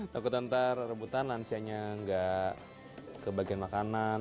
takut nanti rebutan lansianya nggak ke bagian makanan